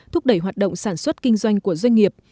thúc đẩy hoạt động sản xuất kinh doanh của doanh nghiệp